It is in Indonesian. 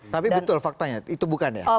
tapi betul faktanya itu bukan ya